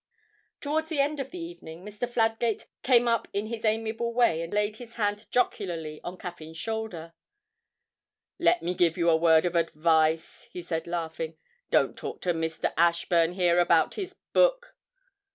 Towards the end of the evening Mr. Fladgate came up in his amiable way and laid his hand jocularly on Caffyn's shoulder. 'Let me give you a word of advice,' he said laughing; 'don't talk to Mr. Ashburn here about his book.'